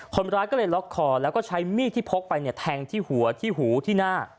คนร้ายก็เลยล็อกคอแล้วก็ใช้มีดที่พกไปเนี่ยแทงที่หัวที่หูที่หน้า